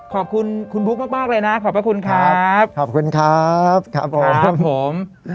ขอบคุณคุณบุ๊คมากเลยนะขอบพระคุณครับขอบคุณครับครับผมครับผม